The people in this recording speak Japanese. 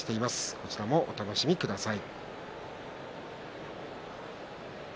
こちらもお楽しみください。